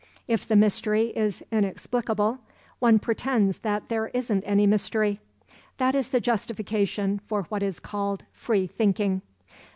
If the mystery is inexplicable, one pretends that there isn't any mystery. That is the justification for what is called free thinking.